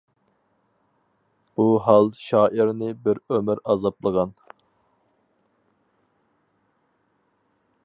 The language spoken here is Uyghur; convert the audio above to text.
بۇ ھال شائىرنى بىر ئۆمۈر ئازابلىغان.